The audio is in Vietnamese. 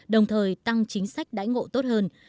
đồng thời tăng chính sách đãi ngộ tốt hơn